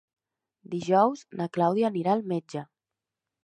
Dijous na Clàudia anirà al metge.